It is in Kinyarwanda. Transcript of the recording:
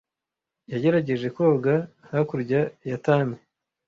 Yagerageje koga hakurya ya Thames.